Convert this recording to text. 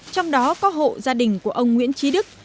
trong đó có hộ gia đình của ông nguyễn trí đức